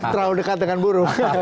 terlalu dekat dengan buruh